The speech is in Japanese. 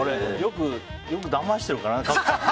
よくだましてるからかな。